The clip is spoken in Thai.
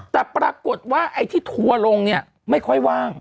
แต่ปรากฏว่าไอ้ที่ทัวร์ลงเนี่ยไม่ค่อยว่าง